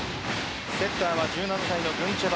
セッターは１７歳のグンチェバ。